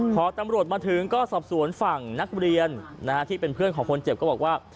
พอตำรวจมาถึงก็สอบสวนฝั่งนักเรียนที่เป็นเพื่อนของคนเจ็บก็บอกว่า